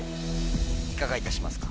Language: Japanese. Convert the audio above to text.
いかがいたしますか？